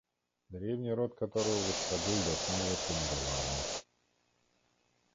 древний род которого восходил до самого Тамерлана.